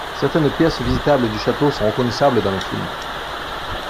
Certaines pièces visitables du château sont reconnaissables dans le film.